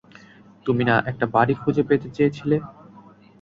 তুমি না একটা বাড়ি খুঁজে পেতে চেয়েছিলে?